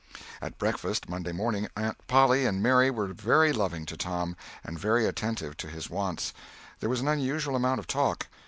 At breakfast, Monday morning, Aunt Polly and Mary were very loving to Tom, and very attentive to his wants. There was an unusual amount of talk.